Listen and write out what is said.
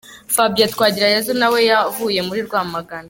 Fabien Twagirayezu na we yavuye muri Rwamagana.